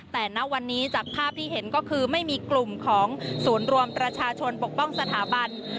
แต่ณวันนี้จากภาพที่เห็นก็คือไม่มีกลุ่มของศูนย์รวมประชาชนปกป้องสถาบัน